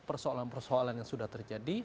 persoalan persoalan yang sudah terjadi